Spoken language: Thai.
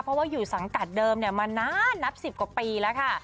เพราะว่าอยู่สังกัดเดิมมานานนับ๑๐กว่าปีแล้วค่ะ